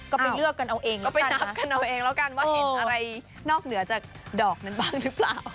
ก็ไปเลือกกันเอาเองก็ไปนับกันเอาเองแล้วกันว่าเห็นอะไรนอกเหนือจากดอกนั้นบ้างหรือเปล่า